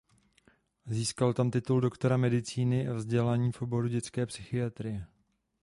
Získal tam titul doktora medicíny a vzdělání v oboru dětské psychiatrie.